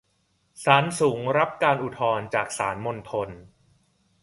ศาลสูงรับการอุทธรณ์จากศาลมณฑล